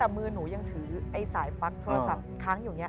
แต่มือหนูยังถือไอ้สายปั๊กโทรศัพท์ค้างอยู่อย่างนี้